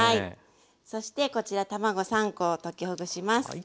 そしてこちら卵３コを溶きほぐします。